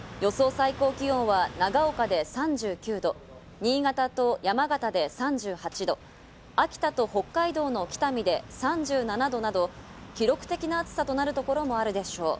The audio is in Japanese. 最高気温は長岡で３９度、新潟と山形で３８度、秋田と北海道の北見で３７度など記録的な暑さとなるところもあるでしょう。